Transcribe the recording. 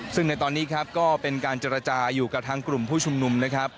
ซึ่งในตอนนี้ครับก็เป็นการเจรจาอยู่กับทางกลุ่มผู้ชุมนุมนะครับ